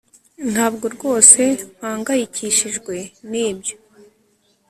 ntabwo rwose mpangayikishijwe nibyo